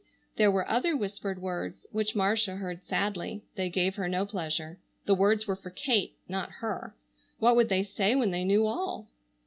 There were other whispered words which Marcia heard sadly. They gave her no pleasure. The words were for Kate, not her. What would they say when they knew all?